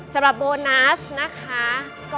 สำหรับโบนัสนะคะ